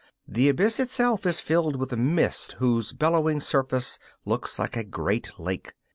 The abyss itself is filled with a mist whose billowy surface looks like a great lake.